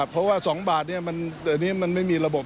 เพราะว่า๒บาทนี้มันไม่มีระบบ